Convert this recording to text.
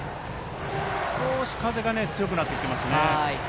少し風が強くなってきてますね。